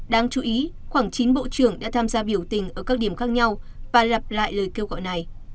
đáng chú ý khoảng chín bộ trưởng đã tham gia biểu tình ở các điểm khác nhau và lặp lại lời kêu gọi này